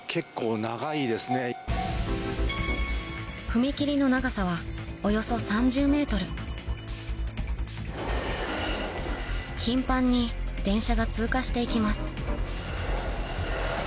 踏切の長さはおよそ３０ｍ頻繁に電車が通過して行きます